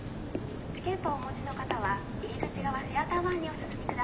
チケットをお持ちの方は入り口側シアター前にお進み下さい。